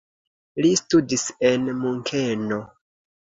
Li studis en Munkeno.